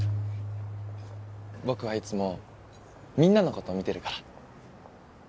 僕はいつもみんなの事見てるから。